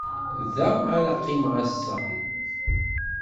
Da ara qqimeɣ ass-a.